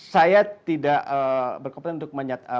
saya tidak berkompetensi untuk